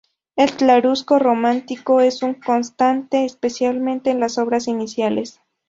El claroscuro romántico es una constante, especialmente en las obras iniciales.